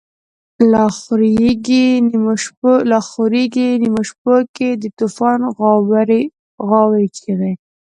لا خوریږی نیمو شپو کی، دتوفان غاوری چیغی